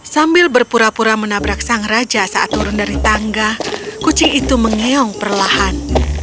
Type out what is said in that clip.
sambil berpura pura menabrak sang raja saat turun dari tangga kucing itu mengeong perlahan